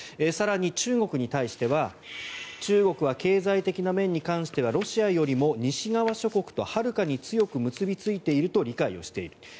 更に中国に対しては中国は経済的な面に関してはロシアよりも西側諸国とはるかに強く結びついていると理解している。